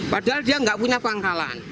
padahal dia nggak punya pangkalan